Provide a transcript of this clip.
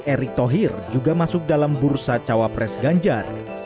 erick thohir juga masuk dalam bursa cawapres ganjar